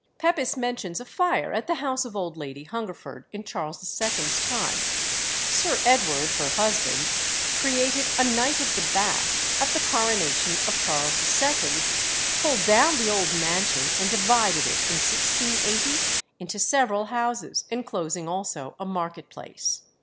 Pepys mentions a fire at the house of old Lady Hungerford in Charles II.'s time. Sir Edward (her husband), created a Knight of the Bath at the coronation of Charles II., pulled down the old mansion and divided it in 1680 into several houses, enclosing also a market place.